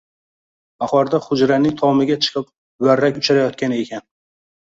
Bahorda hujraning tomiga chiqib varrak uchirayotgan ekan.